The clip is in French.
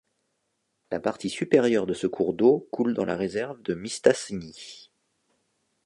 La partie supérieure de ce cours d’eau coule dans la réserve de Mistassini.